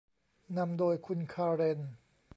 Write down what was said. นำโดยคุณคาเรน